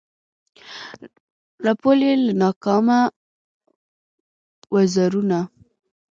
رپول یې له ناکامه وزرونه